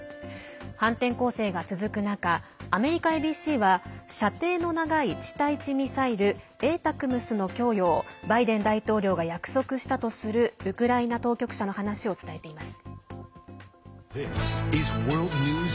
反転攻勢が続く中アメリカＡＢＣは射程の長い地対地ミサイル「ＡＴＡＣＭＳ」の供与をバイデン大統領が約束したとするウクライナ当局者の話を伝えています。